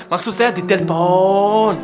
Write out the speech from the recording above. maksud saya di telpon